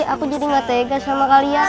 aku jadi gak tega sama kalian